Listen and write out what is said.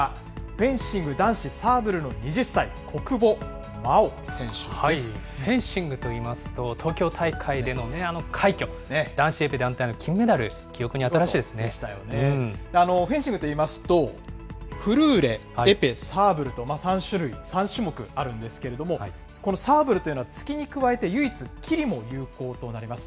フェンシング男子サーブルの２０歳、フェンシングといいますと、東京大会でのあの快挙、男子エペ団体の金メダル、フェンシングといいますと、フルーレ、エペ、サーブルと３種類、３種目あるんですけれども、このサーブルというのは突きに加えて、唯一、斬りも有効となります。